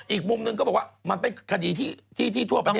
อีกมุมหนึ่งก็บอกว่ามันเป็นคดีที่ทั่วประเทศ